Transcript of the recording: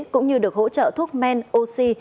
cũng như được hỗ trợ thuốc men oxy